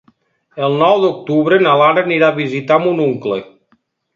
El nou d'octubre na Lara anirà a visitar mon oncle.